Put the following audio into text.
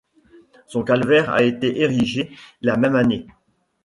Son calvaire a été érigé la même année.